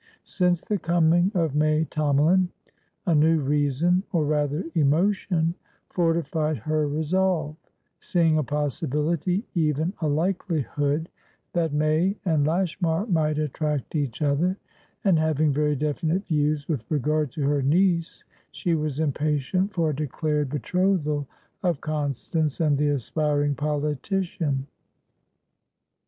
Since the coming of May Tomalin, a new reasonor rather, emotionfortified her resolve; seeing a possibility, even a likelihood, that May and Lashmar might attract each other, and having very definite views with regard to her niece, she was impatient for a declared betrothal of Constance and the aspiring politician.